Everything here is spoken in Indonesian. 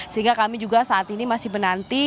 sehingga kami juga saat ini masih menanti